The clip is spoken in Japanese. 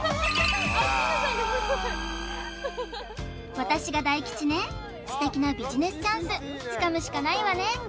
私が大吉ねステキなビジネスチャンスつかむしかないわね